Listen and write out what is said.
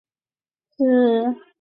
首席执行官为符展成。